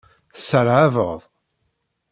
Tesserhabeḍ.